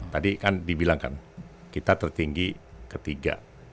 tadi kan dibilangkan kita tertinggi ketiga